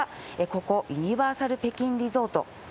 ここ、ユニバーサル北京リゾート。